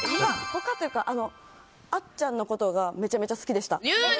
他というかあっちゃんのことがめちゃめちゃ好きでした。